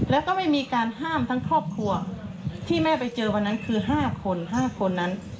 แล้วก็ไม่มีการห้ามทั้งครอบครัวที่แม่ไปเจอวันนั้นคือ๕คน๕คนนั้น